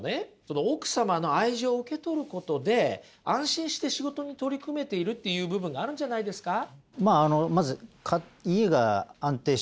その奥様の愛情を受け取ることで安心して仕事に取り組めているっていう部分があるんじゃないですか？